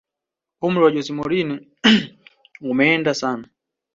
umri wa jose mourinho umeenda sana